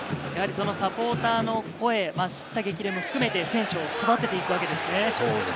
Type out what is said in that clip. サポーターの声、激励も含めて選手を育てていくわけですね。